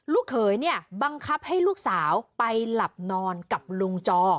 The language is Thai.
เขยเนี่ยบังคับให้ลูกสาวไปหลับนอนกับลุงจอ